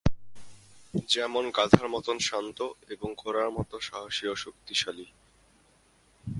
যেমন গাধার মত শান্ত ও এবং ঘোড়ার মত সাহসী ও শক্তিশালী।